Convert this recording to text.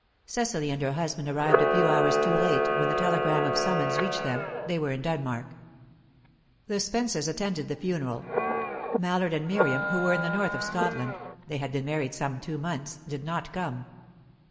Cecily and her husband arrived a few hours too late; when the telegram of summons reached them, they were in Denmark. The Spences attended the funeral. Mallard and Miriam, who were in the north of Scotland they had been married some two months did not come.